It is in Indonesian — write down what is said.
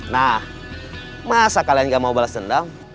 nah masa kalian gak mau balas dendam